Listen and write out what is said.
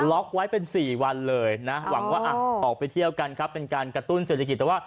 ล็อกไว้เป็น๔วันเลยนะหวังว่าออกไปเที่ยวกันครับเป็นการกระตุ้นเศรษฐกิจแต่ว่า